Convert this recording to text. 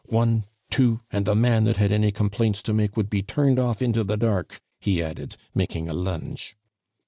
One, two, and the man that had any complaints to make would be turned off into the dark," he added, making a lunge.